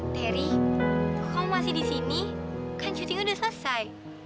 terry kok kamu masih di sini kan syuting udah selesai